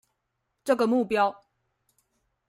這個目標